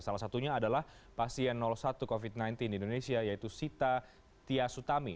salah satunya adalah pasien satu covid sembilan belas di indonesia yaitu sita tiasutami